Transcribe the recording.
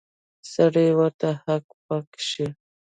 سړی ورته هک پک شي.